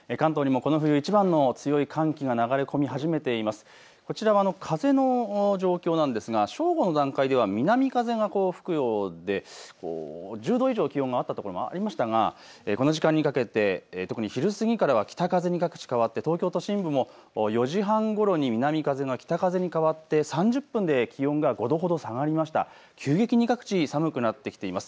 こちらは風の状況なんですが正午の段階では南風が吹くようで１０度以上気温があったところもありましたがこの時間にかけて特に昼過ぎからは北風に各地、変わって東京都心部も４時半ごろに南風が北風に変わって３０分で気温が５度ほど下がりました急激に各地寒くなってきています。